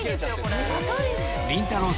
［りんたろー。